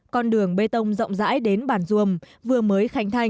con đường bê tông rộng rãi đến bản duồm vừa mới khánh thành